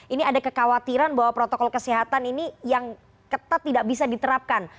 ini ada kekhawatiran bahwa protokol kesehatan ini yang ketat tidak bisa diterapkan